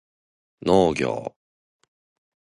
農業